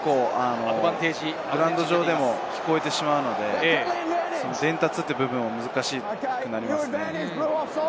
グラウンド上でも聞こえてしまうので、伝達という部分は難しくなりますね。